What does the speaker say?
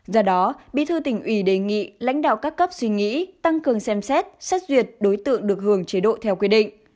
do đó bí thư tỉnh ủy đề nghị lãnh đạo các cấp suy nghĩ tăng cường xem xét xét duyệt đối tượng được hưởng chế độ theo quy định